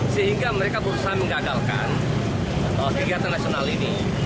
sehingga mereka berusaha mengagalkan kegiatan nasional ini